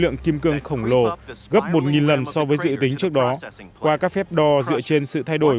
lượng kim cương khổng lồ gấp một lần so với dự tính trước đó qua các phép đo dựa trên sự thay đổi